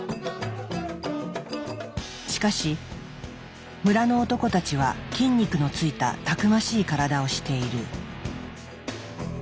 しかし村の男たちは筋肉のついたたくましい体をしている。